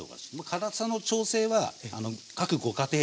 辛さの調整は各ご家庭で。